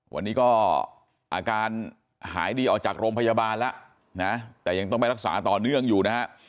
วันนี้ก็อาการหายดีออกจากโรงพยาบาลแล้วนะแต่ยังต้องไปรักษาต่อเนื่องอยู่นะฮะ